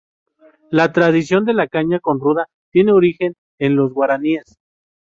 La tradición de la caña con ruda tiene origen en los guaraníes.